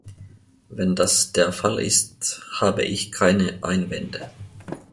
Wenn das der Fall ist, habe ich keine Einwände.